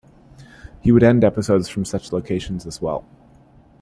He would end episodes from such locations as well.